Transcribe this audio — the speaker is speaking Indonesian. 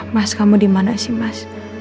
mas kamu dimana sih mas